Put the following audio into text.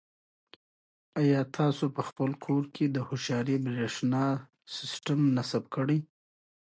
آیا تاسو په خپل کور کې د هوښیارې برېښنا سیسټم نصب کړی؟